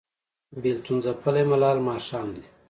بیلتون ځپلی ملال ماښام دی